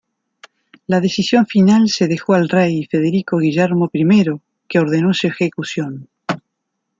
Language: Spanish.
La decisión final se dejó al rey, Federico Guillermo I, que ordenó su ejecución.